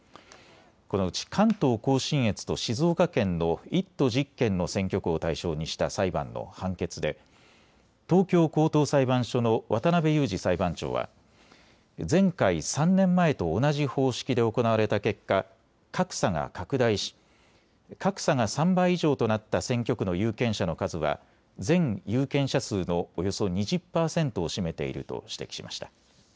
このうち関東甲信越と静岡県の１都１０県の選挙区を対象にした裁判の判決で東京高等裁判所の渡部勇次裁判長は前回３年前と同じ方式で行われた結果、格差が拡大し格差が３倍以上となった選挙区の有権者の数は全有権者数のおよそ２０％を占めていると指摘しました。